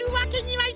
はい！？